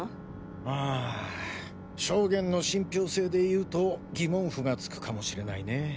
うん証言の信ぴょう性でいうと疑問符がつくかもしれないね。